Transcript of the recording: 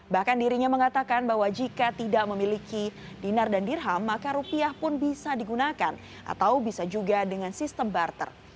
bahkan dirinya mengatakan bahwa jika tidak memiliki dinar dan dirham maka rupiah pun bisa digunakan atau bisa juga dengan sistem barter